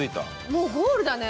もうゴールだね。